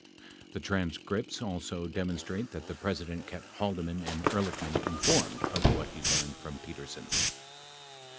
The transcripts also demonstrate that the President kept Haldeman and Ehrlichman informed of what he learned from Petersen.